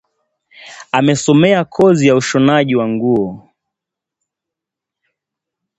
Amesomea kozi ya ushonaji nguo